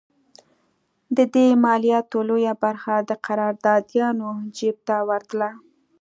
د دې مالیاتو لویه برخه د قراردادیانو جېب ته ورتله.